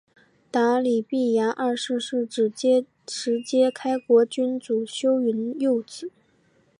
答里必牙二世是是实皆开国君主修云的幼子。